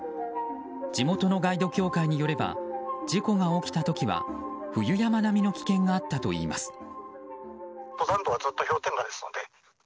地元のガイド協会によれば事故が起きた時は冬山並みの危険があったといいます。